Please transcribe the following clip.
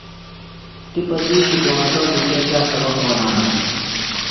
تی پہ دِیشی کُݨاکہ بُٹھے تا سبق منانہ۔